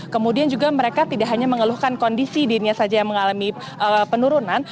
kemudian juga mereka tidak hanya mengeluhkan kondisi dirinya saja yang mengalami penurunan